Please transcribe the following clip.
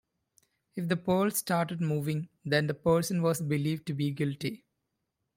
If the pearl started moving then the person was believed to be guilty.